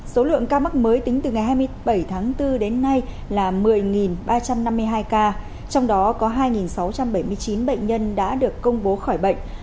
số lượng ca mắc mới tính từ ngày hai mươi bảy tháng bốn đến nay là một mươi ba trăm năm mươi hai ca trong đó có hai sáu trăm bảy mươi chín bệnh nhân đã được công bố khỏi bệnh